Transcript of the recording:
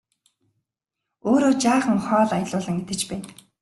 Өөрөө жаахан хоол аялуулан идэж байя!